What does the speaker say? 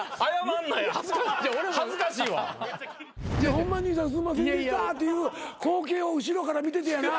「ホンマ兄さんすんませんでした」っていう光景を後ろから見ててやな